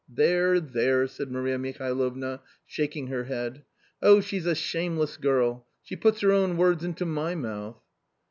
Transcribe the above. " "There, there!" said Maria Mihalovna, shaking her head ;" oh, she's a shameless girl ! she puts her own words into my mouth